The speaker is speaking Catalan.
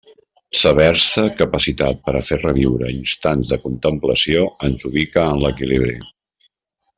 Saber-se capacitat per a fer reviure instants de contemplació ens ubica en l'equilibri.